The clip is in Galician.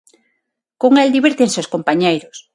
Con el divírtense os compañeiros.